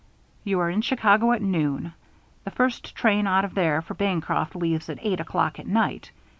You are in Chicago at noon. The first train out of there for Bancroft leaves at eight o'clock at night.